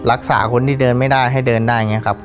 รักษาคนที่เดินไม่ได้ให้เดินได้อย่างนี้ครับ